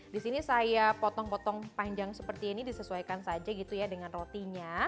di sini saya potong potong panjang seperti ini disesuaikan saja gitu ya dengan rotinya